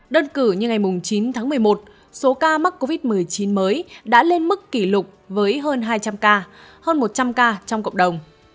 đơn cử như ngày chín tháng một mươi một số ca mắc covid một mươi chín mới đã lên mức kỷ lục với hơn hai trăm linh ca hơn một trăm linh ca trong cộng đồng